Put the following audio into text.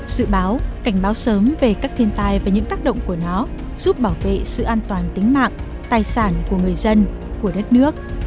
dự báo cảnh báo sớm về các thiên tai và những tác động của nó giúp bảo vệ sự an toàn tính mạng tài sản của người dân của đất nước